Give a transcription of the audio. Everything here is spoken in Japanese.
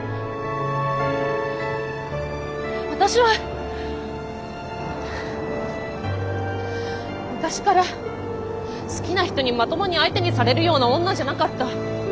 私は昔から好きな人にまともに相手にされるような女じゃなかった。